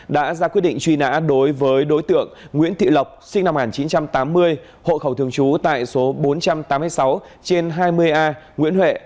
đối với đối tượng nguyễn thị lộc sinh năm một nghìn chín trăm tám mươi hộ khẩu thường trú tại số bốn trăm tám mươi sáu trên hai mươi a nguyễn huệ